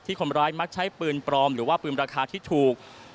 คนร้ายมักใช้ปืนปลอมหรือว่าปืนราคาที่ถูก